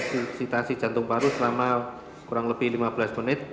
insitasi jantung paru selama kurang lebih lima belas menit